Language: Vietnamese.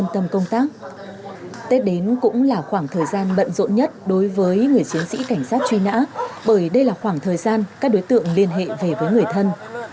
tết đến cũng là khoảng thời gian bận rộn nhất đối với người chiến sĩ cảnh sát truy nã bởi đây là khoảng thời gian các đối tượng liên hệ về với người thân